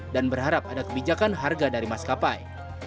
dan berharap ada kebijakan harga dari maskapai